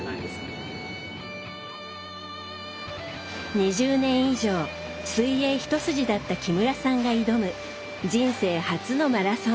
２０年以上水泳一筋だった木村さんが挑む人生初のマラソン。